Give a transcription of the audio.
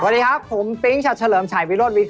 สวัสดีครับผมปริศน์ชาวเฉลิมชัยวิรดสวิตครับ